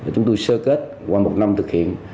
chúng tôi sơ kết qua một năm thực hiện